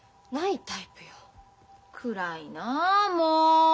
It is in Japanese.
暗いなもう。